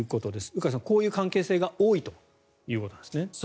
鵜飼さん、こういう関係性が多いということなんですね。